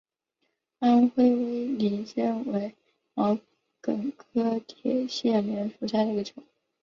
安徽威灵仙为毛茛科铁线莲属下的一个种。